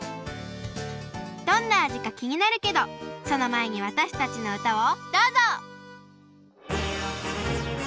どんなあじかきになるけどそのまえにわたしたちのうたをどうぞ！